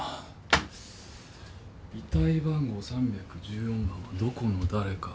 遺体番号３１４番はどこの誰か。